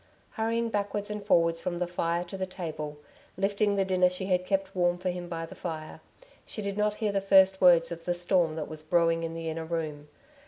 Hurrying backwards and forwards from the fire to the table, lifting the dinner she had kept warm for him by the fire, she did not hear the first words of the storm that was brewing in the inner room.